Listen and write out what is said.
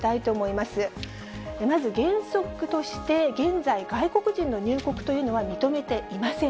まず原則として、現在、外国人の入国というのは認めていません。